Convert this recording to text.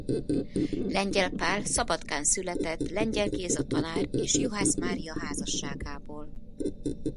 Lengyel Pál Szabadkán született Lengyel Géza tanár és Juhász Mária házasságából.